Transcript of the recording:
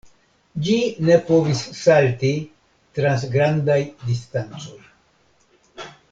Ĝi ne povis salti trans grandaj distancoj.